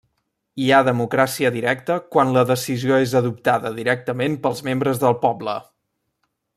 Hi ha democràcia directa quan la decisió és adoptada directament pels membres del poble.